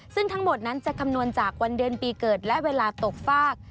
ซึ่งทั้งหมดนั้นจะคำนวณจากวันเดือนปีเกิดและเวลาตกฟาก